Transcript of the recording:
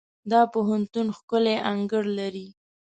دا پوهنتون ښکلی انګړ لري.